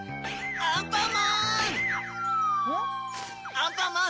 アンパンマン